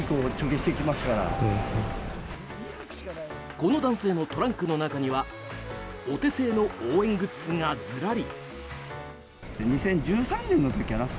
この男性のトランクの中にはお手製の応援グッズがずらり。